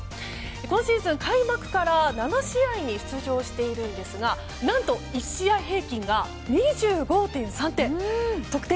今シーズン開幕から７試合に出場しているんですが何と１試合平均が２５．３得点。